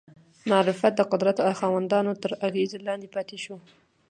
معرفت د قدرت خاوندانو تر اغېزې لاندې پاتې شوی